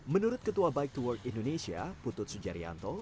menurut ketua bike to work indonesia putut sujarianto